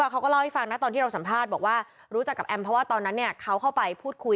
เขาก็เล่าให้ฟังนะตอนที่เราสัมภาษณ์บอกว่ารู้จักกับแอมเพราะว่าตอนนั้นเขาเข้าไปพูดคุย